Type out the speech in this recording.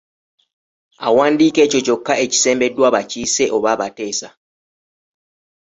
Awandiika ekyo kyokka ekisembeddwa abakiise oba abateesa.